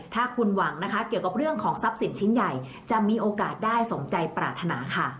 ถ้าคุณหวังนะคะเกี่ยวกับเรื่องของทรัพย์สินชิ้นใหญ่จะมีโอกาสได้สมใจปรารถนาค่ะ